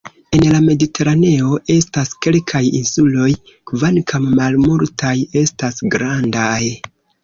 En la Mediteraneo estas kelkaj insuloj kvankam malmultaj estas grandaj.